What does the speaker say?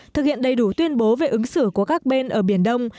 thực hiện đầy đủ tuyên bố về ứng xử của các bên ở biển đông